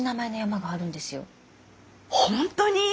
本当に！？